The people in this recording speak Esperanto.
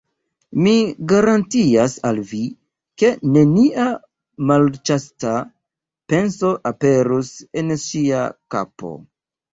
Mi garantias al vi, ke nenia malĉasta penso aperus en ŝia kapo.